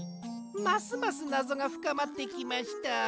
ますますなぞがふかまってきました。